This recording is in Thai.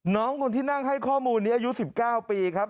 น้องคนที่นั่งให้ข้อมูลนี้อายุ๑๙ปีครับ